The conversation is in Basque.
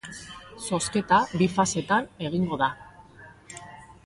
Zozketa bi fasetan egingo da.